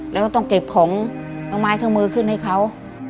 แล้วก็ต้องเก็บของต้องไม้ทางมือขึ้นให้เขา